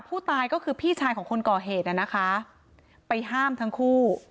ผู้ตายก็คือพี่ชายของคนก่อเหตุน่ะนะคะไปห้ามทั้งคู่